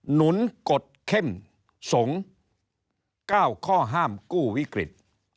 หนุนกฎเข้มสงฆ์๙ข้อห้ามกู้วิกฤต